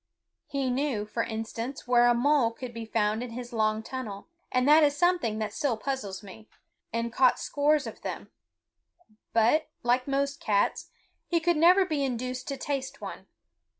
He knew, for instance, where a mole could be found in his long tunnel, and that is something that still puzzles me, and caught scores of them; but, like most cats, he could never be induced to taste one.